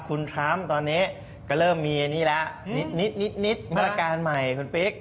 คุณทรัมป์ตอนนี้ก็เริ่มมีอันนี้แล้วนิดมาตรการใหม่คุณปิ๊ก